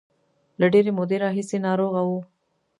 له ډېرې مودې راهیسې ناروغه و.